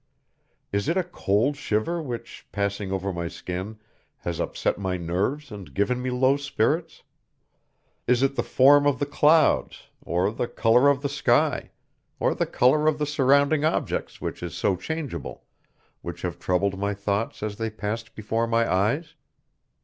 Is it a cold shiver which, passing over my skin, has upset my nerves and given me low spirits? Is it the form of the clouds, or the color of the sky, or the color of the surrounding objects which is so changeable, which have troubled my thoughts as they passed before my eyes?